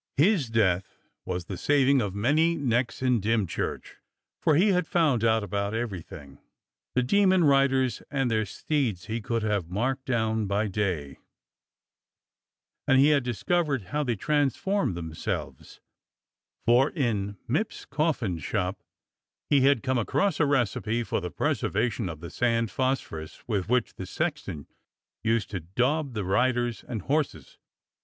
His death was the saving of many necks in Dymchurch, for he had found out about every thing. The demon riders and their steeds he could have marked down by day, and he had discovered how they transformed themselves, for in Mipps's coffin shop he had come across a recipe for the preservation of the sand phosphorous with which the sexton used to daub the riders and horses.